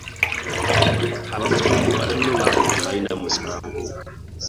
Abafumbo bano bambi tebalina musango.